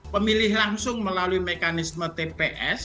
pemilih langsung melalui mekanisme tps